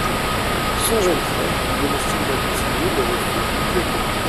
Son jeune frère, domestique d'un conseiller, le reçut durement.